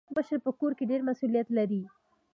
مشر په کور کي ډير مسولیت لري.